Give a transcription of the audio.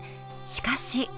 しかし。